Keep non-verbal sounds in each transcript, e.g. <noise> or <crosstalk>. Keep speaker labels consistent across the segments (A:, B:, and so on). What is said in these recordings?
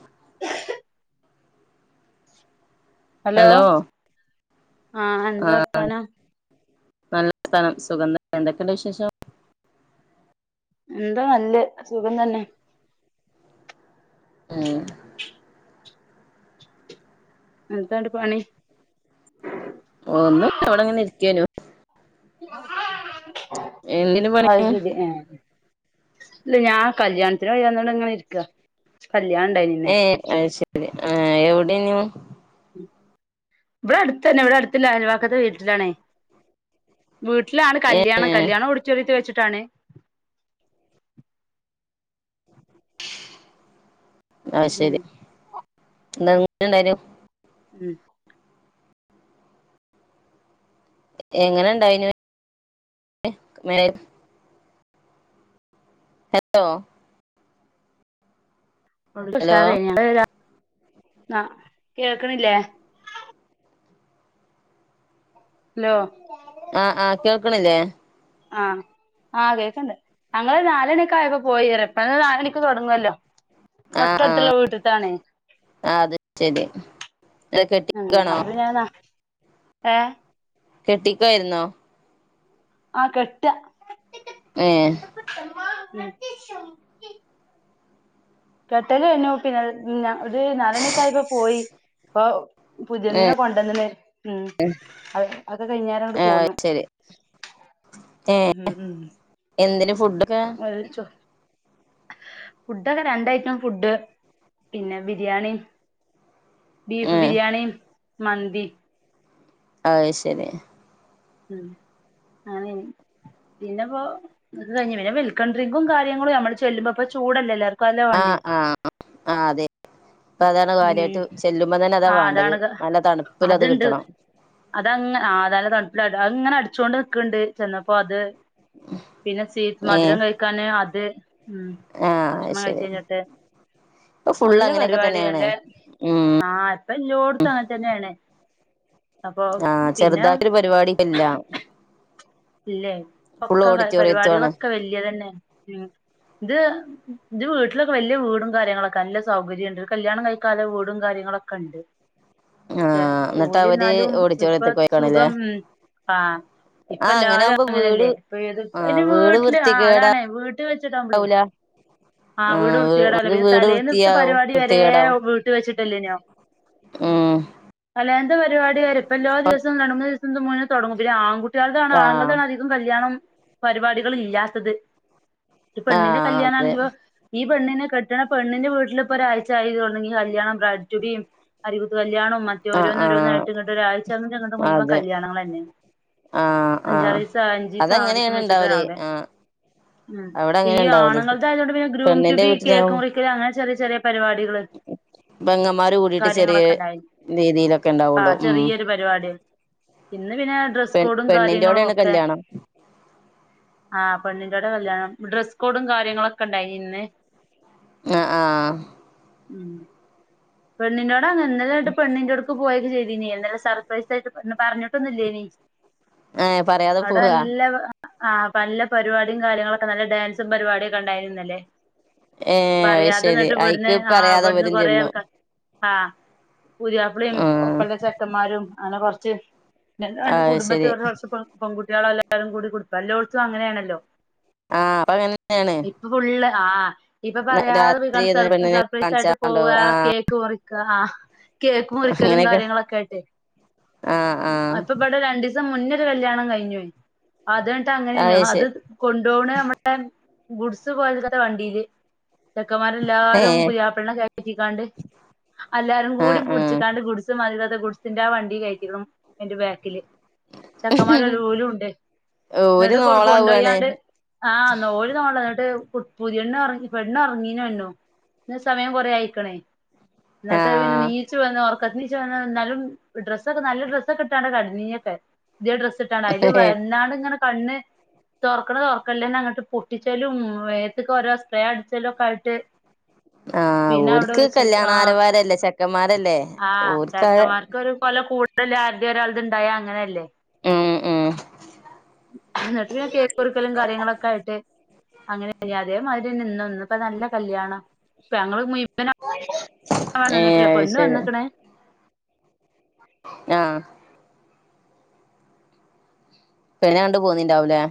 A: <unintelligible>
B: Hello
A: ആഹ് എന്താ
B: ആഹ്
A: വർത്താനം
B: നല്ല സ്ഥലം സുഖം തന്നെ എന്തൊക്കെയണ്ട് വിശേഷം
A: എന്താ നല്ല സുഖം തന്നെ
B: ഉം
A: എന്താണ്ട് പണി
B: ഓ ഒന്നുല്ല ഇവടെങ്ങനെ ഇരിക്കണു എന്തിന്
A: <unintelligible>
B: പണി
A: ഇല്ല ഞാൻ കല്യാണത്തിന് വഴിയന്നണ്ട് ഇങ്ങെ ഇരിക്കുക കല്യാണ
B: ഏഹ് അത് ശരി ആഹ് എവിടെനു
A: ഇവിടെ അടുത്ത തന്നെ ഇവിടെ അടുതുള്ള അയൽവക്കത്ത് വീട്ടിലാണേ വീട്ടിലാണ് കല്യാണം
B: ഏഹ്
A: കല്യാണം ഓഡിറ്റോറിയം വെച്ചിട്ടാണ്
B: <inaudible> അത്
A: ഉം
B: ശരി എന്താങ്ങ എന്തെന്നു
A: ഉം
B: എങ്ങനെണ്ടാവന് <unintelligible> ഹലോ ഹലോ
A: <unintelligible> കേൾക്കണില്ലേ ഹലോ
B: ആഹ് ആഹ് കേൾക്കണില്ലേ
A: ആഹ് ആഹ് കേൾക്കണ്ട് ഞങ്ങൾ നാലമണിക്കായപ്പോ പോയിറ ഇപ്പോ നാലണിക്ക് തുടങ്ങുവല്ലോ
B: ആഹ് ആഹ്
A: തൊട്ടടുത്തുള്ള വീട്ടിത്താണേ
B: ആഹ് അത് ശരി
A: ഉ
B: കെട്ടിക്കാണോ
A: അപ്പൊന്നഞാെന്നാ ഏഹ്
B: കെട്ടിക്കായിരുന്നോ
A: ആഹ് കെട്ടുക
B: ഏഹ്
A: <unintelligible> കെട്ടല് എന്നഞ്ഞ പിന്നെ ഒരു നാലണക്കായ്പ പോയി അപ്പൊ പുതിയതിനനെ
B: ഏഹ്
A: കൊണ്ടന്നന്നെ ഉം അത് കഴിഞ്ഞങ്
B: ആഹ് അത്
A: പോണു
B: ശരി ഏഹ് എന്തിന് ഫുഡൊക്കെ?
A: അയിൽച്ചോ ഫുഡൊക്കെ രണ്ടഐറ്റം ഫുഡ് പിന്നെ ബിരിയാണി ബീഫ്
B: ഏഹ്
A: ബിരിയാണി മന്തി
B: അഹ് ശെരി
A: ഉം ആനേ പിന്നെപ്പോ ത് കഴിഞ്ഞ വേ വെൽക്കൺ ഡ്രിങ്കും കാര്യങ്ങളും അമ്മള് ചെല്ലുമ്പോപ്പോ ചൂടല്ലേ എല്ലാ
B: ആഹ് ആഹ് ആഹ് അതെ ഇപ്പ അതാണ്
A: ഉം
B: കാര്യായിട്ട് ചെല്ലുമ്പ തന്നെ അതാ
A: ആ
B: വേണ്ടത്
A: അതാണ്
B: നല്ല തണുപ്പിൽ അത് കിട്ടണം.
A: അതങ് ആഹ് തല്ല തണുപ്പില അഹ്ങ്ങനെ അടിച്ചോണ്ട് നിക്ണ്ട് ചെന്നപ്പോ അത് പിന്നെ സീ
B: ഏ
A: മധുരം കഴിക്കാന് അത് ഉം
B: ആഹ് അത്
A: ഭക്ഷണം
B: ശരി
A: കഴിച്ചഴിഞ്ഞിട്ട്
B: ഇപ്പൊ ഫുള്ള്
A: നല്ല
B: അങ്ങനെയൊക്കെ
A: പരിപാടിയല്
B: തന്നെയാണ്
A: രെ
B: ഉം
A: ആഹ് ഇപ്പല്ലോടുത്ത് അങ്ങൻതന്നെയാണ്. അപ്പൊ പിന്നെ
B: പരിവാടിയെല്ലാം
A: ഇല്ലേ ഇപ്പൊക്കെ
B: ഓഡിറ്റോറിയത്തും ആണ്
A: പരിപാടിയളൊക്കെ വെല്യതന്നെ ഉം ഇത് വീട്ട്ലൊക്കെ വെല്ല്യ വീടും കാര്യങ്ങളൊക്കെ നല്ല സൗകര്യൂണ്ട് ഒര് കല്ല്യാണം കയ്ക്കാല്ലെ വീടും കാര്യങ്ങളൊക്കെണ്ട് ക്ഷെ
B: ആഹ് എന്നിട്ട് അവര്
A: ഓല്ന്നാലും ഇപ്പം
B: ഓഡിറ്റോറിയത്ത്ക്ക് പോയിക്കാണല്ലേ
A: സുഖം ആഹ്
B: ആഹ് അങ്ങനെ
A: ഇപ്പല്ലാരും
B: ആകുമ്പോ വീട്
A: അങ്ങനെല്ലെ ഇപ്പേത്
B: ആഹ്
A: അയിന്
B: വീട്
A: വീട്ട്ല് ആ അതാണെ
B: വൃത്തികേടാവൂല
A: വീട്ട് വെച്ച്ട്ടാവുമ്പളെ ആഹ് വീട് വൃത്തിയേടാവുലെ
B: മറ്റേത്
A: പിന്നെ
B: വീട്
A: തലേന്ന്ത്തെ
B: വൃത്തിയാവും
A: പരിവാടി വെരേ
B: വൃത്തികേടാവും
A: വീട്ട് വെച്ചിട്ടല്ലേനിയൊ?
B: ഉംഹ്
A: തലേന്ന്ത്തെ പരിവാടി വെരെ ഇപ്പയെല്ലാ ദിവസും രണ്ട്മൂന്നീസം മുന്നെ തൊടങ്ങും പിന്നെ ആകുട്ടിയെൾതാണ്
B: ആഹ്
A: ആണ്ങ്ങെൾതണ് തും കല്യാണം പരിപാടികളില്ല്യാത്തത് ഒരു പെണ്ണിന്റെ
B: ആഹ് അതെ
A: കല്യാണാണെങ്കിലൊ ഈ പെണ്ണിന് കെട്ട്ണെ പെണ്ണിന്റെ വീട്ടില്പ്പൊരാഴ്ച്ചായി തൊട്ങ്ങി കല്യാണം ബ്രയ്റ്റു ബിം, അരികുത്ത് കല്യാണും
B: ആഹ് ആഹ്
A: മറ്റോരോന്നൊരോന്നായിട്ട്ങ്ങട്ട് ഒരാഴ്ചെന്റങ്ങെട്ട് മുയ് വെൻ
B: അതെ
A: കല്യാണങ്ങളെന്നെ.
B: ആഹ് ആഹ്
A: അഞ്ചാറീസം അഞ്ചിസം, ആറിസം
B: അതങ്ങനെയാണ് ഇണ്ടാവല്
A: വെച്ച്ട്ടവ്ടെ
B: ആഹ്
A: ഉം
B: അവിടെ
A: ഈ
B: അങ്ങനെ ഇണ്ടാവല്
A: ആണ്ങ്ങൾതായോണ്ട് പിന്നെ
B: പെണ്ണിന്റെ
A: ഗ്രൂംറ്റുബി, കേക്ക്
B: വീട്ടിലാവുമ്പോ
A: മുറിക്കല്, അങ്ങനെ ചെറിയ ചെറിയ പരിപാടികള്
B: പെങ്ങന്മാര് കൂടിട്ട് ചെറിയ
A: കാര്യങ്ങളൊക്കെണ്ടായിനി
B: രീതിയിലൊക്കെ
A: ആ
B: ഉണ്ടാവുള്ളൂ ഉം
A: ചെറിയൊരു പരിപാടി ഇന്ന്പിന്നെ ഡ്രസ്
B: പെ
A: കോഡും
B: പെണ്ണിന്റോടെയാണ്
A: കാര്യങ്ങളുഒക്കെ
B: കല്യാണം
A: ആ പെണ്ണിന്റോടെ കല്യാണം ഡ്രസ്കോഡും കാര്യങ്ങളൊക്കെണ്ട യിനിന്ന്
B: ആഹ് ആഹ
A: ഉം പെണ്ണിന്റോടെ അ ഇന്നലെങ്ങെട്ട് പെണ്ണിന്റോട്ക്ക് പോ യൊക്കെ ചെയ്തീനി ഇന്നലെ സർപ്രൈസായിട്ട് പറഞ്ഞിട്ടൊന്നുല്ല്യോനി
B: ഏ പറയാതെ
A: അവ്ടെ
B: പോവാ
A: നല്ല ആഹ പല്ല പരിപാടിം കാര്യങ്ങളൊക്കെ നല്ല ഡാൻസും പരിപാടിയൊക്കെണ്ടായിനി ഇന്നലെ
B: ഏ അത്
A: പറയാതെ
B: ശരി
A: ന്നട്ട്
B: അയിക്ക്
A: ഇവട്ന്ന് ആ
B: പറയാതെ
A: ഇവട്ന്ന്
B: ഇവരും
A: കൊറേ
B: ചെന്നു
A: ആൾക്ക ആഹ പുതിയാപ്ലിം
B: ആ
A: ഒപ്പെല്ല ചെക്കെന്മാരും അങ്ങനെ കൊർച്ച് രണ്ട് രണ്ട്
B: അത് ശരി
A: കുടുംബത്തെ കൊർച്ച് പെ കുട്ടിയെള്ളെല്ലാരും കൂടികൊട്ക്കാ എല്ലോട്ത്തും അങ്ങനേണല്ലോ?
B: ആഹ് അതങ്ങനെന്നേണ്.
A: ഇപ്പോ ഫുള്ള് ആ് ഇപ്പൊ പറയാതെ
B: രാത്രി
A: പൊയ്‌കാണ്ട് സ
B: പെണ്ണിനെ കാണിച്ചാ
A: സർപ്രൈസായിട്ട്
B: കൊണ്ടോവും
A: പോവാ
B: ആ
A: കേക്ക് മുറിക്കാ കേക്ക് മുറിക്കലും
B: അങ്ങനെയൊക്കെ
A: കാര്യങ്ങളൊക്കായിട്ടെ
B: ആ ആ
A: ആഹ് ഇ ബടെ രണ്ടീസം മുന്നൊരു കല്യാണം കയ്ഞ്ഞോയി അത് ന്ന്ട്ട് അങ്ങനേനു അത് കൊണ്ടോവ്ണെ അമ്മളെ ഗുഡ്സ് പോൽത്ത വണ്ടീല്
B: ഏ
A: ചെക്കന്മാരെല്ലാരും പുതിയാപ്പൾനെ കേറ്റിങ്ങാണ്ട്. എല്ലാരും
B: ആ
A: കൂടി
B: ആ
A: പുട്ച്ങ്ങാണ്ട് ഗുഡ്സ് മാതിരിക്കെത്തെ ഗുഡ്സിന്റെ ആ വണ്ടി കഴിറ്റിക്ണു അയ്ന്റെ ബാക്കില് ചെക്കന്മാരലോ ഓലുണ്ട്
B: ഓര്
A: ന്നട്ട് കൊ
B: നോളാവാണ്
A: കൊണ്ടോയ്യാണ്ട് ആഹ് ന്നോല് നോള ന്നട്ട് പുതിയെണ്ണ് പെണ്ണ് ഒർങ്ങീനോനു ന്നെ സമയം കൊറേ ആയിക്ണ്
B: ആ
A: ഇന്നട്ട് പിൻ നീ ച്ച് വന്ന് ഒർക്കത്ത് ന്നീച്ച് വന്ന് ന്നാലും ഡ്രസ്സൊക്കെ നല്ല ഡ്രസ്സക്കെ ഇട്ടാണ്ട കട്ന്നീനിയൊക്കെ പുതിയേ ഡ്രസ് ട്ടാണ്ട് അയില് വെന്നാണ്ട്ങ്ങെനെ കണ്ണ് തൊറ്ക്ണ തൊർക്കൽലെന്നെ ഇങ്ങട്ട് പൊട്ടിച്ചെലും മേത്ത്ക്കോരോ സ്പ്രേ അട്ച്ചലൊക്കായിട്ട് <inaudible>
B: ആഹ് ഓര്ക്ക് കല്യാണ ആരവാരല്ലേ ചെക്കമ്മാരല്ലേ ഓര്ക്കഹ്
A: ഓൽക്കൊരു ഓലെ കൂടെള്ളല്‌തെ ആര്‌തെ ഒരാൾതെണ്ടായ അങ്ങനെല്ലേ
B: മ് മ്
A: ഇന്നെട്ട് പിന്നെ കേക്ക് മുറിക്കലും കാര്യങ്ങളൊക്കായിട്ട് അങ്ങനായി അതേമാരിയെന്നെ ഇന്നും ഇപ്പൊ നല്ല കല്യാണ ഞങ്ങള് മുഴ്മനാകോളൊന്നും നിന്ന്ട്ടില്ല
B: ഏഹ്
A: പെണ്ണ്
B: ശരി
A: വെന്ന്ക്ക്ണ്
B: ആഹ് പെണ്ണിനെ കണ്ട് പോന്നിണ്ടാവുലേ?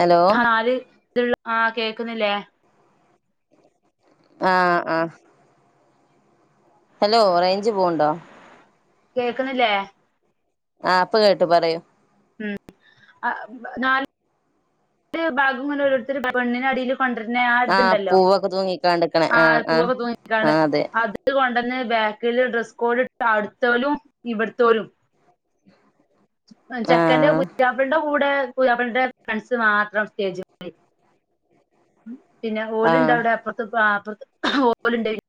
B: ഹലോ
A: പാൽ ഇത്ള്ളെ ആ കേക്കുന്നില്ലേ?
B: ആഹ് ആഹ് ഹലോ റെയ്ഞ്ച് പോവ്ണ്ടോ?
A: കേക്ക്ന്നില്ലേ?
B: ആ ഇപ്പ കേട്ടു പറയു
A: ഉം നാല് ഭാഗങ്ങന ഓരോര്ത്തര് പെണ്ണിനടിൽ കൊണ്ടര്നെ
B: ആഹ്
A: ആത്ണ്ടല്ലോ
B: പൂവൊക്കെ തൂങ്ങിക്കാണ്ട്ക്ക്ണെ ആഹ് ആഹ്
A: ആൽപൂവ്തൂങ്ങിങ്ങാണ്ട്
B: ആഹ് അതെ
A: ആത് ഇത് കൊണ്ടന്നെ ബാക്കില് ഡ്രസ്സ് കോഡ് ഇട്ട അവ്ടുത്തോലും ഇവിടുതോലും ചെക്കന്റെ
B: ആഹ്
A: പുതാപ്ലന്റെ കൂടെ പുതാപ്ലൻന്റെ ഫ്രണ്ട്സ് മാത്രം സ്റ്റേജിമ്മല് പിന്നെ
B: ആഹ്
A: ഓല്ണ്ടവടെ അപ്പറത്ത് പാപ്പുറത്ത് ഓലുണ്ടയ്ന്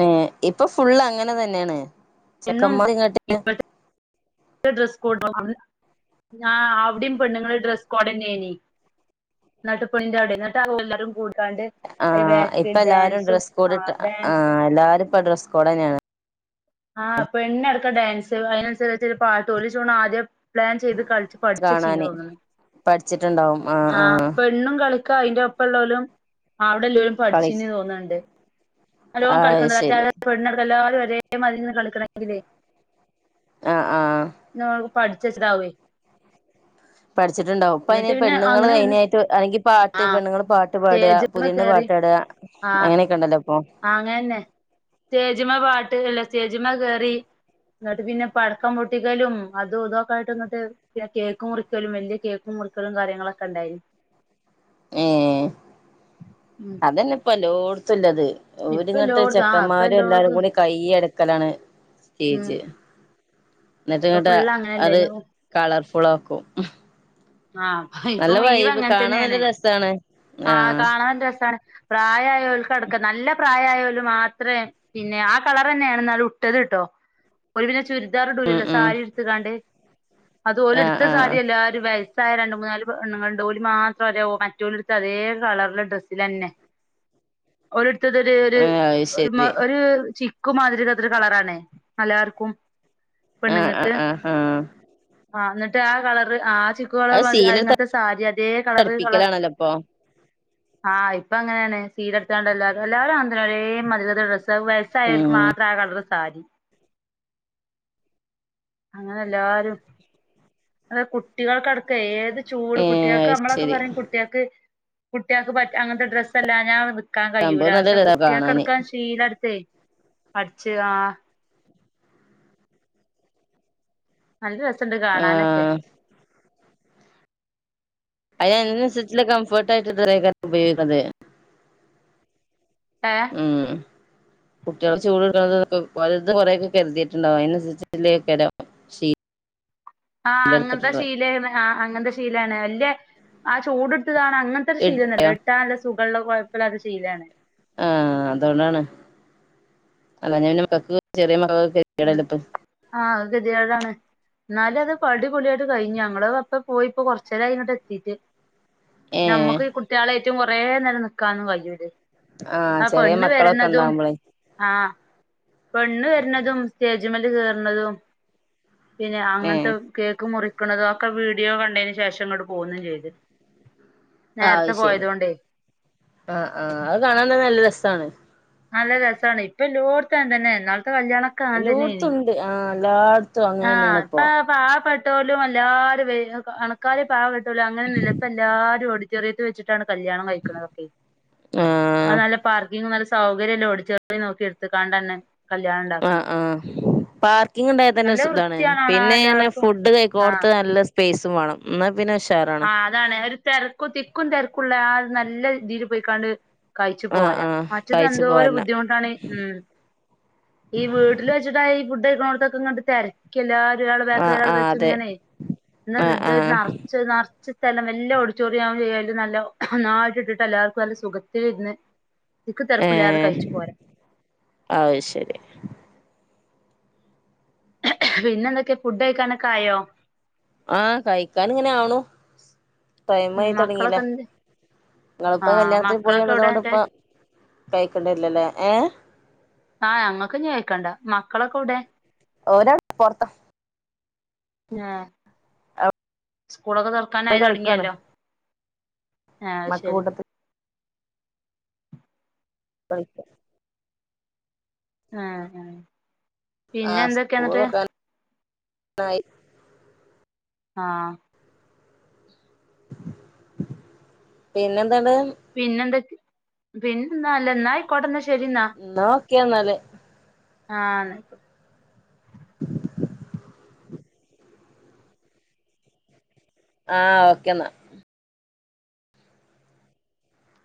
B: ഏഹ് ഇപ്പ ഫുള്ള് അങ്ങനെ തന്നെണ്
A: പെണ്ണും ഇപ്പൾത്തെ ഡ്രെസ്സ് കോഡ്ണ്ടന്ന് ആ അവടീം പെണ്ണ്ങ്ങള് ഡ്രസ് കോഡന്നെയ്നി ന്നട്ട് പെണ്ണിന്റെഅവടെ ന്നട്ട് എല്ലാരുംകൂട്
B: ആഹ് ഇപ്പല്ലാരും ഡ്രസ്സ്
A: ആ
B: കോഡട്ട് ആ
A: ഡാൻസ്
B: എല്ലാരുപ്പ ഡ്രസ്സ് കോഡന്നേണ്
A: ആഹ് പെണ്ണടക്കം ഡാൻസ് അതിനനുസരിച്ച് ഒരു പാട്ട് ഒലിച്ചോണ് ആദ്യം പ്ലാൻ ചെയ്ത് കളിച്ചു പഠിച്ചചീന്ന്
B: കാണാന്
A: തോന്നുണു
B: പഠിച്ചിട്ടുണ്ടാവും ആഹ്
A: ആപട്
B: ആഹ്
A: പെണ്ണും കളിക്കാ അയ്ന്റൊപ്പള്ളോലും അവടെല്ലോലും
B: കളി
A: പഠിചീനി തോന്ന്ണ്ട് നല്ലോ
B: അഹ്
A: കളികണ്ട് മറ്റേ
B: ശരി
A: പെണ്ണടക്കം എല്ലാരും ഒരേ മാതിരി നിന്ന് കളിക്കണെങ്കില്
B: ആഹ് ആഹ്
A: ന്നോൽ പഠിചെച്ചതാവെ
B: പഠിച്ചിട്ടുണ്ടാവും ഇപ്പഅയ്ൻ
A: എന്നിട്ട് പിന്നെ
B: പെണ്ണുങ്ങള്
A: അങ്ങനെ വന്ന്
B: അയിനായിട്ട് അല്ലെങ്കി
A: ആ
B: പാട്ട് പെണ്ണുങ്ങള് പാട്ട്പാടാ
A: സ്റ്റേജിമ്മ
B: പുതിയണ്ണ്
A: കേറി
B: പാട്ടാടാ അങ്ങനെക്കണ്ടല്ലോപ്പോ
A: ആഹ് അങ്ങനന്നെ സ്റ്റേജ്മ്മേ പാട്ട് അല്ല സ്റ്റേജ്ജ്മ്മേ കേറി ഇന്നട്ട് പിന്നെ പടക്കംപൊട്ടിക്കലും അതും ഇതൊക്കെ ആയിട്ട് ഇങ്ങിട്ട് പിന്നെ കേക്കും മുറിക്കലും വലിയ കേക്കും മുറിക്കലും കാര്യങ്ങളൊക്കെണ്ടായിനി
B: ഏഹ്
A: ഉം
B: അതന്നെ ഇപ്പല്ലോടുത്തുള്ളത്
A: ഇപ്പ
B: ഓലിങ്ങട്ട്
A: എല്ലോടത്തും ആ ഇപ്പ
B: ചെക്കന്മാരും
A: എല്ലോടത്തും
B: എല്ലാരുംകൂടി കയ്യടക്കലാണ്
A: ഉം
B: സ്റ്റേജ്
A: ഇപ്പൊ
B: ഇന്നട്ട്ങ്ങട്ട്
A: ഫുള്ള്
B: അത്
A: അങ്ങനെയല്ലേനോ
B: കളർഫുളാക്കും
A: ആഹ് ഇപ്പൊ മുയ്വൻ
B: കാണാൻ നല്ല
A: അങ്ങൻതന്നെണ്
B: രസാണ്
A: ആഹ് കാണൻരസാണ് പ്രായയോൽക്കടക്കം നല്ല പ്രായയോല് മാത്രേ പിന്നെ ആ കളറെന്നേണ് ഇന്നാലുട്ടത്ട്ടോ ഒല് പിന്നെ ചുര്
B: ഉം
A: ദാറ്ടൂലല്ലോ
B: ഉം
A: സാരി ഇട്ത്ത്കാണ്ട് അത് ഓല്
B: ആഹ്
A: ഇടുത്ത
B: ആഹ്
A: സാരിയല്ലാരു വയസ് സ്സായ രണ്ട് മൂന്നാല് പെണ്ണ്ങ്ങള്ണ്ട്ല് ഓല് മാത്ര ഒരേ മറ്റോലിട്ത്താ അതേ കളറില് ഡ്രസ്സിലന്നെ ഓല്ട്ത്തത് ഒര് ഒര്
B: ആഹ് അത്
A: ഒരു മേ
B: ശരി
A: ഒരു ചിക് ക്കുമാതിരികത്തൊരു കളറണേ എല്ലാർക്കും
B: ആഹ് ആഹ്
A: പെണ്ണുങ്ങക്ക്
B: ആഹ് ആഹ്
A: ആ ന്നട്ട് ആ കളറ് ആ ചിക്കു
B: അത്
A: കളർമതി
B: സീലെടുത്ത്
A: അയ്ങ്ങത്തെ സാരി അതേ കളറ് കളർ
B: അടുപ്പിക്കലാണല്ലോ ഇപ്പൊ
A: ആഹ് ഇപ്പ അങ്ങനെണ് സീലട്ത്താണ്ട് എല്ലാരുംഎല്ലാരും അങ്ങൻതന്നെ ഒരേ മതിര്ത്തെ ഡ്രസ് സ്സ് വയസ്സായോൽക്
B: ഉം
A: മാത്രം ആ കളറ്സാരി അങ്ങനെ എല്ലാരും അത് കുട്ടികൾക്കടക് ക്ക്‌ ഏത് ചൂട്
B: ഏഹ്
A: കുട്ടികൾക്ക്
B: അത് ശരി
A: നമ്മളൊക്കെപറിം കുട്ട്യേക്ക് കുട്ട്യേക്ക് പറ്റ അങ്ങൻത്തെ ഡ്രസ്സെല്ലാഞ്ഞാ നിക്കാൻ കയ്യൂല
B: സംഭവം നല്ല
A: പക്ഷെ
B: രസാ കാണാന്
A: കുട്ട്യേക്കടക്കം ശീലെട്ത്തേ അടിച്ച് ആഹ് നല്ലരസണ്ട് കാണാനൊക്കെ
B: ആഹ് അയ്ന് അതിനനുസരിച്ചുള്ള കംഫോർട്ട് ആയിട്ടുള്ള തുണിയേകാരം ഉപയോഗിക്കുന്നത്
A: ഏഹ്
B: ഉം കുട്ടിൾ ചൂട് ഇട്ക്ണത് വലുത് കൊറെയൊക്കെ കരുതിയിട്ടുണ്ടാവും അതിനനുസരിചിലയിരിക്കാണം
A: ആഹ് അങ്ങൻത്തെ ശീലേണ് അങ്ങൻത്തെ ശീലാണ് വല്ലെ ആ ചൂടുട്ത്കാണ് അങ്ങൻ തൊരു
B: എടുത്തോ
A: ശീലന്നല്ല ഇട്ടാ നല്ലസുഖള്ള കൊഴപ്പല്ലാത്ത ശീലയാണ്
B: ആഹ് അതോണ്ടാണ് അല്ലാഞ്ഞപിന്നെ മക്കക്ക് ചെറിയ മകക്ക്
A: ഉം ആഹ് കെതീടാണ് ഇന്നാലും അത് പടിപൊളിയായിട്ട് കഴിഞ്ഞു ഞങ്ങള് അപ്പ പോയിപ്പോ കൊറച്ചേരായി ഇങ്ങട്ട് എത്തീട്ട്
B: ഏഹ്
A: പിന്നെമ്മക്ക് ഈ കുട്ട്യേളേറ്റും കൊറേനേരം നിക്കാനൊന്നും കഴിയൂലെ
B: ആഹ്
A: ആ
B: ചെറിയ
A: പെണ്ണ്
B: മക്കളൊക്കെ
A: വരുന്നതും
B: ഉണ്ടാവുമ്പളേ
A: ആഹ് പെണ്ണ് വരുന്നതും സ്റ്റേജ്മൽ കേറുന്നതും പിന്നെ
B: ഏഹ്
A: അങ്ങനത്തെ കേക്ക് മുറിക്കുന്നതോ ഒക്കെ വീഡിയോ കണ്ടതിന് ശേഷം ഇങ്ങോട്ട് പോന്നും ചെയ്ത്
B: ആഹ്
A: നേരത്തെ
B: ശരി
A: പോയതോണ്ടേ
B: ആഹ് ആഹ് അത് കാണാൻ നല്ല രസമാണ്
A: നല്ല രസാണ് ഇപ്പൊ എല്ലാടുത്തും അങ്ങനെതന്നെ ഇന്നാളത്തെ കല്യാണക്കെ
B: എല്ലാടുത്തും ഇണ്ട് ആഹ് എല്ലാ
A: ആഹ് ഇപ്പ പാവപ്പെട്ടോലും എല്ലാരും വലി പണക്കാർ പാവപ്പെ അങ്ങന്നുല്ല ഇപ്പ എല്ലാരും ഓഡിറ്റോറിയത്തിൽ വെച്ചിട്ട് ട്ടാണ് കല്യാണം കഴിക്കുന്നതെക്കെ അത്
B: ആഹ്
A: നല്ല പ <unintelligible> തന്നെ സൗകര്യമുള്ള ഓഡിറ്റോറിയം നോക്കി എടുത്ക്കാണ്ട് തന്നെ
B: ആഹ് ആഹ് പാർക്കിങ് ഉണ്ടായ തന്നെ
A: നല്ല
B: ഇതാണ്
A: വൃത്തിയാണാണാ
B: പിന്നെ
A: എല്ലാർക്കും
B: ഫുഡ്
A: ആഹ്
B: കഴിക്കുന്നടുത്ത് നല്ല സ്പേസും വേണം എന്നാൽ പിന്നെ ഉഷാറണ്
A: ആഹ് അതാണ് ഒരു തെരക്കും തിക്കും തിരക്കുള്ള അത് നല്ല രീതിയിൽ പോയിക്കാണ്ട് കഴിച്ചു
B: ആഹ്
A: പോരാ
B: ആഹ്
A: മറ്റത്
B: കഴിച്ചു
A: എന്തോര
B: പോരന്ന
A: ബുദ്ധിമുട്ടാണ് ഉം ഈ വീട്ടില് വെച്ചിട്ട ഈ ഫുഡ് കഴിക്കണോടത്തൊക്കെ തിര എല്ലാരും ഒരാളെ
B: ആഹ്
A: ബേക്കിൽ
B: ആഹ്
A: വെച്ച്
B: അതെ
A: ഇങ്ങനെ എന്നാ
B: ആഹ്
A: ഇത് ഒരു
B: ആഹ്
A: ന നിറച്ച സ്ഥലം വല്യ ഓഡിറ്റോറിയം ചെയാലും നല്ല നന്നായിട്ട് ഇട്ടിട്ട് എല്ലാർക്കും നല്ല സുഖത്തി ഇരുന്ന് തിക്കും തെരക്കുല്ലാതെ കഴിച്ചു പോര
B: ആഹ് ശരി
A: പിന്നെ എന്തൊക്കെയ ഫുഡ് കഴിക്കാനൊക്കെ ആയോ
B: ആഹ് കഴിക്കാൻ ഇങ്ങനെ ആണു ടൈം ആയി
A: മക്കളൊക്കെ
B: തുടങ്ങില്ലേ
A: എന്ത്
B: നിങ്ങളിപ്പോ
A: ആഹ്
B: കല്യാണത്തിന് പോയി
A: മക്കളൊക്കെ എവിടെ
B: വന്നതൊണ്ട്
A: എന്നിട്ട്
B: ഇപ്പ കൈയ്ക്കേണ്ടി വരിലലോ ഏഹ്
A: ആഹ് ഞങ്ങക്ക് ഇനി കയികണ്ട മക്കളൊക്കെ എവിടെ
B: ഓർ അവിടെ പുറത്ത്
A: ആഹ് സ്കൂളൊക്കെ തുറ
B: അവിടെ
A: തുറക്കാനായി
B: കളിക്കാണ്
A: തുടങ്ങിയാലോ ആഹ്
B: മക്ക
A: ശരി
B: കൂട്ടത്തിൽ <unintelligible>
A: ആഹ് ആഹ് പിന്നെ എന്തൊക്കെയ എന്നിട്ട്
B: ആയി
A: ആഹ്
B: പിന്നെ ന്താ ട്
A: പിന്നെന്തൊക്ക പിന്നെ നല്ലെ ന്നാ ആയിക്കോട്ടെ എന്നാ ശരി എന്നാ
B: ഓക്കെ എന്നാല്
A: ആഹ് ന്നാ ശെ
B: ആഹ് ഓക്കെ ന്നാ